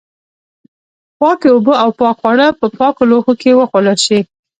پاکې اوبه او پاک خواړه په پاکو لوښو کې وخوړل شي.